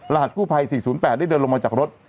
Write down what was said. หัสกู้ภัย๔๐๘ได้เดินลงมาจากรถ